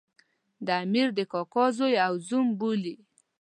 د امیر د کاکا زوی او زوم بولي.